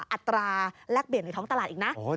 อัตราแลกเปลี่ยนในท้องตลาดอีกนะ